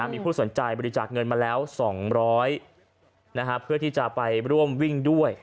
มีผู้สนใจบริจาคเงินมาแล้ว๒๐๐เพื่อที่จะไปร่วมวิ่งด้วย